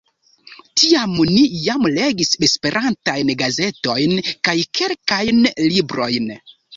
Tiam ni jam legis Esperantajn gazetojn kaj kelkajn librojn.